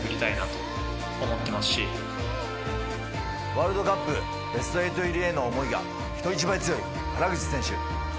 ワールドカップベスト８入りへの思いが人一倍強い原口選手